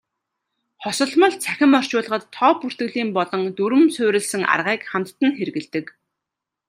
Хосолмол цахим орчуулгад тоо бүртгэлийн болон дүрэм суурилсан аргыг хамтад нь хэрэглэдэг.